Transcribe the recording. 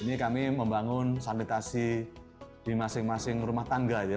ini kami membangun sanitasi di masing masing rumah tangga ya